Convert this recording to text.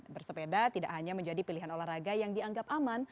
bersepeda tidak hanya menjadi pilihan olahraga yang dianggap aman